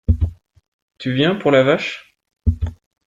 Tu viens pour la vache ?